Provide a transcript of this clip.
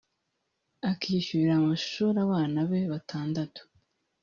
akishyurira amashuri abana be batandatu